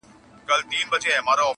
نه دي نوم وي د لیلا نه دي لیلا وي.